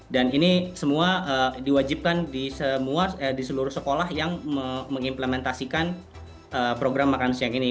dan ini semua diwajibkan di semua di seluruh sekolah yang mengimplementasikan program makan siang ini